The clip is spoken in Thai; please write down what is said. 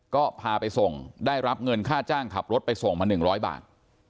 ก็พาไปส่งได้รับเงินค่าจ้างขับรถไปส่งมา๑๐๐บาท